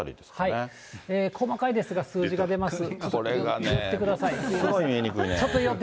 細かいですが、数字が出ます。